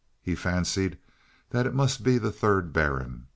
He fancied that it must be the third Baron.